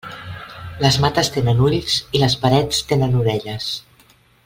Les mates tenen ulls, i les parets tenen orelles.